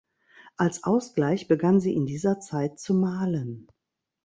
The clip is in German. Als Ausgleich begann sie in dieser Zeit zu malen.